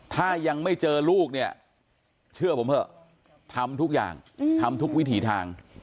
ถ้ายังไม่เจอลูกเนี่ยเชื่อผมเถอะทำทุกอย่างทำทุกวิถีทาง